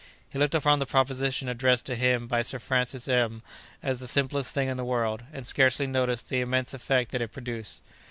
He looked upon the proposition addressed to him by Sir Francis M——as the simplest thing in the world, and scarcely noticed the immense effect that it produced.